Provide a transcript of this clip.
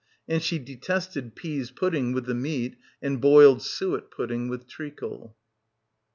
And she detested pease pudding with the meat, and boiled suet pudding with treacle.